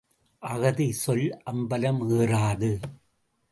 அகதி சொல் அம்பலம் ஏறாது.